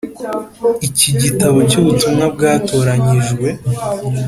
Iki gitabo cy’Ubutumwa Bwatoranyijwe,